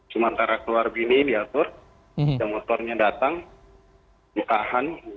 sementara keluar begini diatur motornya datang dikahan